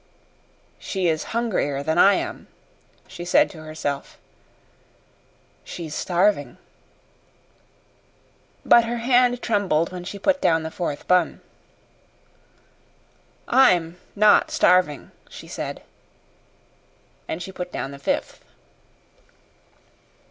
"She is hungrier than I am," she said to herself. "She's starving." But her hand trembled when she put down the fourth bun. "I'm not starving," she said and she put down the fifth.